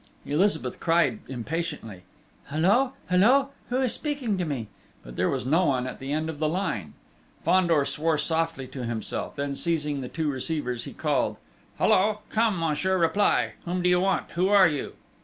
Elizabeth cried impatiently: "Hullo!... Hullo!... Who is speaking to me?" But there was no one at the end of the line! Fandor swore softly to himself, then seizing the two receivers he called: "Hullo! Come, monsieur, reply!... Whom do you want? Who are you?"